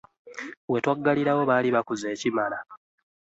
We twaggalirawo baali bakuze ekimala.